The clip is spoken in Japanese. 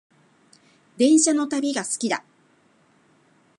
電車の旅が好きだ